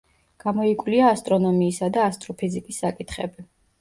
გამოიკვლია ასტრონომიისა და ასტროფიზიკის საკითხები.